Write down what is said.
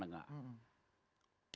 dadara jual etdonwize